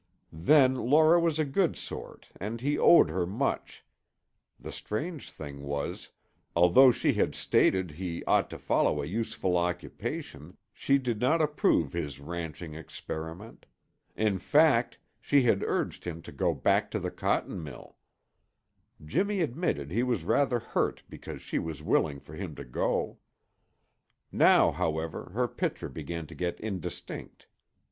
Then Laura was a good sort and he owed her much; the strange thing was, although she had stated he ought to follow a useful occupation, she did not approve his ranching experiment. In fact, she had urged him to go back to the cotton mill. Jimmy admitted he was rather hurt because she was willing for him to go. Now, however, her picture began to get indistinct.